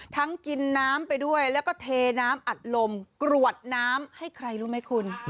กินน้ำไปด้วยแล้วก็เทน้ำอัดลมกรวดน้ำให้ใครรู้ไหมคุณ